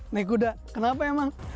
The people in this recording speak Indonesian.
naik kuda kenapa emang